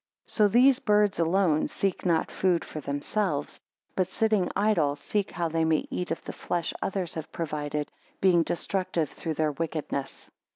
3 So these birds alone (seek not food for themselves,) but sitting idle, seek how they may eat of the flesh others have provided being destructive through their wickedness.